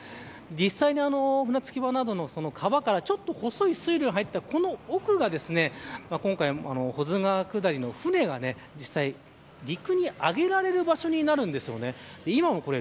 実際に船着き場などの川から細い水路に入った、この奥が今回、保津川下りの舟が実際に陸に揚げられる場所になるんです。